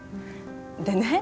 でね